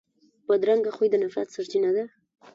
بدرنګه خوی د نفرت سرچینه ده